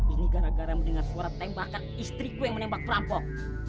ini gara gara mendengar suara tembakan istriku yang menembak perampok